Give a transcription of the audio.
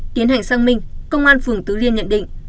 tiến hành sang minh công an phường tứ liên nhận định